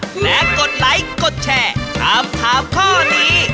และกดไลค์กดแชร์ถามถามข้อนี้